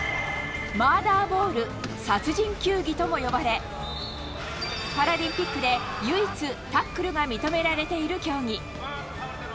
マーダーボール、殺人球技とも呼ばれ、パラリンピックで唯一タックルが認められている競技。